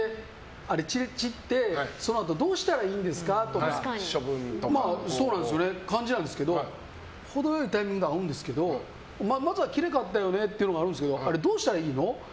散って、そのあとどうしたらいいんですかとかそういう感じなんですけど程良いタイミングで会うんですけどまずはきれいかったよねっていうのがあるんだけどどうしたらいいの？